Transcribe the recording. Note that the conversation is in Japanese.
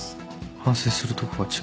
反省するとこが違う。